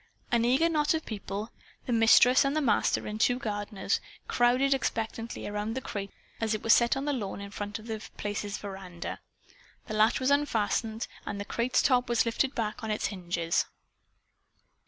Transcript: An eager knot of people the Mistress, the Master and two gardeners crowded expectantly around the crate as it was set down on the lawn in front of The Place's veranda. The latch was unfastened, and the crate's top was lifted back on its hinges.